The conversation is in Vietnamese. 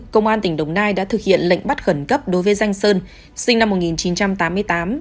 công an tỉnh đồng nai đã thực hiện lệnh bắt khẩn cấp đối với danh sơn sinh năm một nghìn chín trăm tám mươi tám